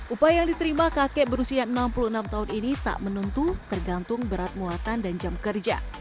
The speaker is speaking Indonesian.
upaya yang diterima kakek berusia enam puluh enam tahun ini tak menentu tergantung berat muatan dan jam kerja